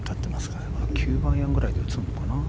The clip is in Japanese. ９番アイアンくらいで打つのかな。